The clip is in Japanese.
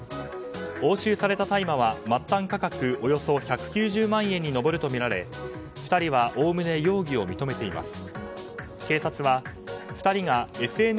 押収された大麻は末端価格およそ１９０万円に上るとみられ、２人はおおむね容疑を認めています。